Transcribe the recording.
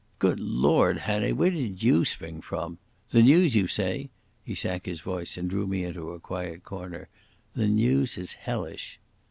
"Good Lord, Hannay! Where did you spring from? The news, you say?" He sank his voice, and drew me into a quiet corner. "The news is hellish."